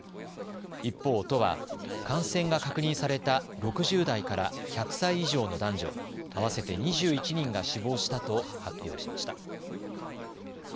一方、都は感染が確認された６０代から１００歳以上の男女合わせて２１人が死亡したと発表しました。